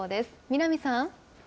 南さん。